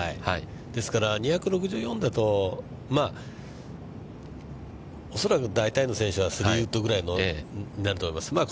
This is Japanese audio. ですから、２６４だと、恐らく大体の選手は３番ウッドぐらいになると思います。